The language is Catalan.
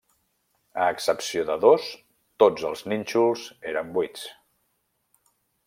A excepció de dos, tots els nínxols eren buits.